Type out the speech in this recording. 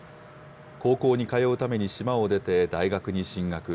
高校に通うために島を出て、大学に進学。